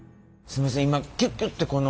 すいません